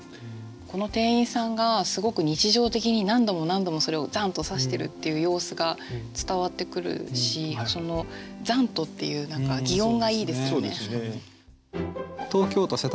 この店員さんがすごく日常的に何度も何度もそれをざんと刺してるっていう様子が伝わってくるし「ざんと」っていう擬音がいいですよね。